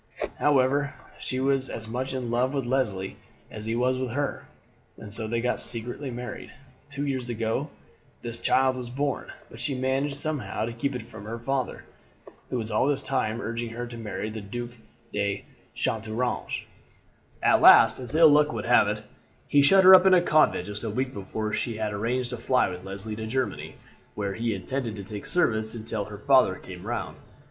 However, she was as much in love with Leslie as he was with her, and so they got secretly married. Two years ago this child was born, but she managed somehow to keep it from her father, who was all this time urging her to marry the Duke de Chateaurouge. "At last, as ill luck would have it, he shut her up in a convent just a week before she had arranged to fly with Leslie to Germany, where he intended to take service until her father came round.